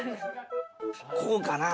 こうかな？